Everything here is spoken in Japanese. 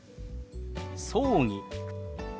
「葬儀」。